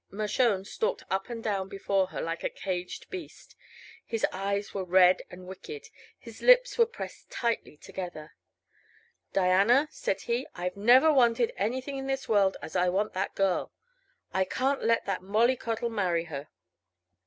Mershone stalked up and down before her like a caged beast. His eyes were red and wicked; his lips were pressed tightly together. "Diana," said he, "I've never wanted anything in this world as I want that girl. I can't let that mollycoddle marry her!"